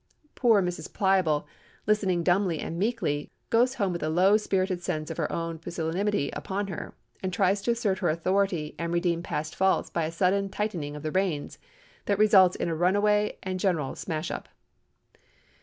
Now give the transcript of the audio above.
Poor Mrs. Pliable, listening dumbly and meekly, goes home with a low spirited sense of her own pusillanimity upon her, and tries to assert her authority and redeem past faults by a sudden tightening of the reins, that results in a runaway and general smash up.